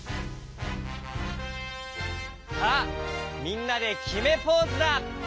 さあみんなできめポーズだ。